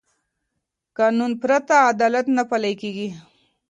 قانون پرته عدالت نه پلي کېږي